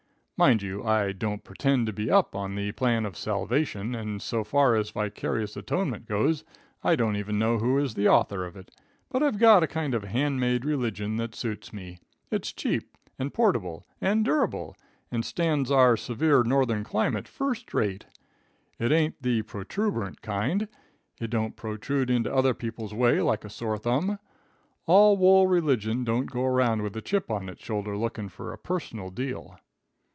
"Mind you, I don't pretend to be up on the plan of salvation, and so far as vicarious atonement goes, I don't even know who is the author of it, but I've got a kind of hand made religion that suits me. It's cheap, and portable, and durable, and stands our severe northern climate first rate. It ain't the protuberant kind. It don't protrude into other people's way like a sore thumb. All wool religion don't go around with a chip on it's shoulder looking for a personal deal.